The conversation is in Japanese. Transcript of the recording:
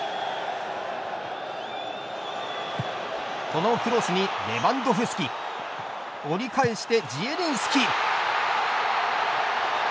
このクロスにレバンドフスキ折り返して、ジエリンスキ。